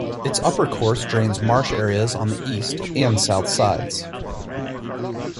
Its upper course drains marsh areas on the east and south sides.